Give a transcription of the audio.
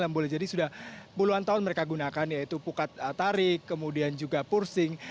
boleh jadi sudah puluhan tahun mereka gunakan yaitu pukat tarik kemudian juga pursing